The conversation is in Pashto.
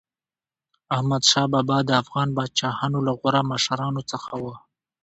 احمدشاه بابا د افغان پاچاهانو له غوره مشرانو څخه و.